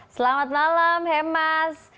selamat malam hemas